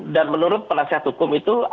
dan menurut penasihat hukum itu